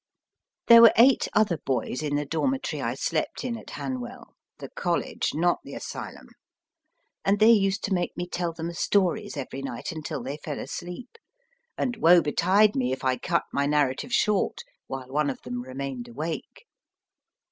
There were eight other boys in the dormitory I slept in at Han well (the College, not the Asylum), and they used to make me tell them stories every night until they fell asleep, and woe betide me if I cut my narrative short while one of them remained awake.